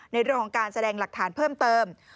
ในเรื่องของการแสดงหลักฐานเพิ่มเติม